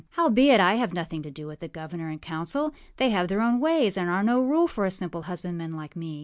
âHowbeit, I have nothing to do with the governor and council; they have their own ways, and are no rule for a simple husbandman like me.